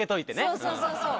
そうそうそうそう。